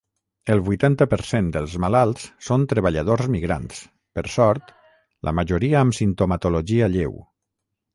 El vuitanta per cent dels malalts són treballadors migrants, per sort, la majoria amb simptomatologia lleu.